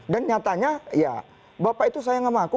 dan nyatanya ya bapak itu sayang sama aku